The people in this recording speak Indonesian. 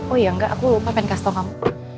oh iya enggak aku lupa pengen kasih tau kamu